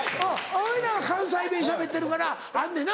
おいらは関西弁しゃべってるからあんねんな。